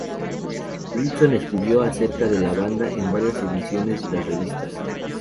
Robinson escribió acerca de la banda en varias ediciones de las revistas.